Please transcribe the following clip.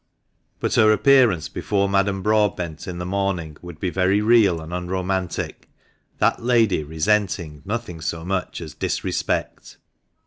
But her appearance before Madame Broadbent in the morning would be very real and unromantic, that lady resenting nothing so much as disrespect.